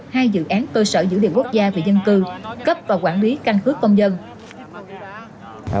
hai dự án cơ sở giữ liệu quốc gia về dân cư cấp và quản lý canh khước công dân